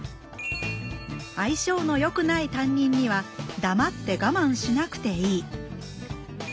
相性のよくない担任には黙ってガマンしなくていい。